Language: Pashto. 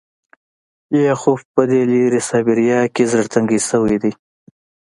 لیاخوف په دې لیرې سایبریا کې زړه تنګی شوی دی